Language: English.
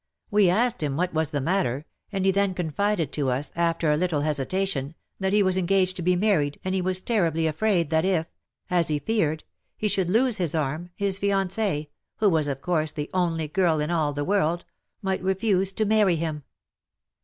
We asked him what was the matter, and he then confided to us, after a little hesitation, that he was engaged to be married, and he was terribly afraid that if — as he feared WAR AND WOMEN 167 — he should lose his arm, his fiancee — who was, of course, the only girl in all the world — might refuse to marry him.